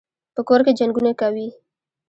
په کور کي جنګونه کوي.